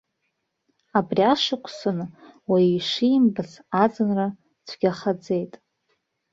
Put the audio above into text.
Абри ашықәсан уаҩы ишимбац аӡынра цәгьахаӡеит.